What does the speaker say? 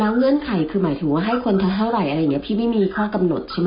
เงื่อนไขคือหมายถึงว่าให้คนเท่าไหร่อะไรอย่างนี้พี่ไม่มีข้อกำหนดใช่ไหม